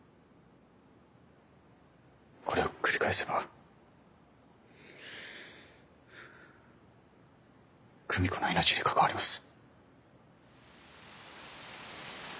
これを繰り返せば久美子の命に関わります。